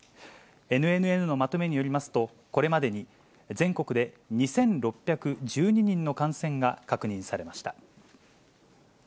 ＮＮＮのまとめによりますと、これまでに全国で２６１２人の感染が確認されました。